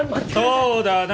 そうだな！